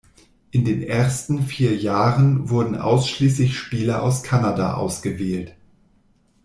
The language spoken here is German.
In den ersten vier Jahren wurden ausschließlich Spieler aus Kanada ausgewählt.